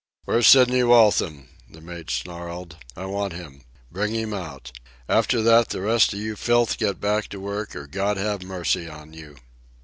"Where's Sidney Waltham?" the mate snarled. "I want him. Bring him out. After that, the rest of you filth get back to work, or God have mercy on you."